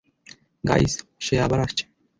Guys, সে আবার আসছে।